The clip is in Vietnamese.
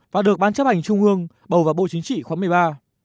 và được bán chấp hành trung bướng bầu vào bộ chính trị khóa một mươi ba